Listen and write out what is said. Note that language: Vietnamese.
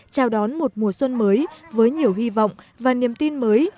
chào đón một mùa xuân mới với nhiều hy vọng và niềm tin mới